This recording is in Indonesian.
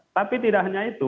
tapi tidak hanya itu